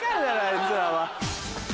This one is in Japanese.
いつらは。